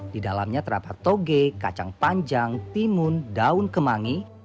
di dalamnya terdapat toge kacang panjang timun daun kemangi